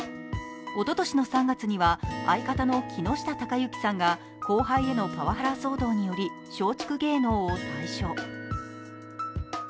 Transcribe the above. おととしの３月には相方の木下隆行さんが後輩へのパワハラ騒動により松竹芸能を退所。